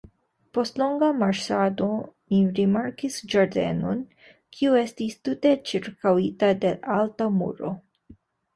Post longa marŝado mi rimarkis ĝardenon, kiu estis tute ĉirkaŭita de alta muro.